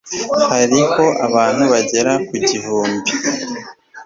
hariho abantu bagera ku gihumbi